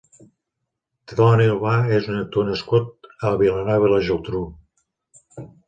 Toni Albà és un actor nascut a Vilanova i la Geltrú.